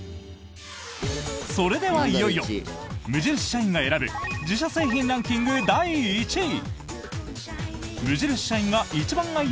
それでは、いよいよ無印社員が選ぶ自社製品ランキング第１位！